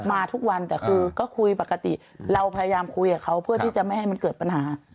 มาทุกวันแต่คือก็คุยปกติเราพยายามคุยกับเขาเพื่อที่จะไม่ให้มันเกิดปัญหา